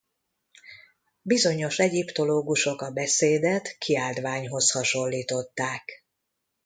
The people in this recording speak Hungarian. Bizonyos egyiptológusok a beszédet kiáltványhoz hasonlították.